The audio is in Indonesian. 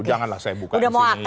janganlah saya buka di sini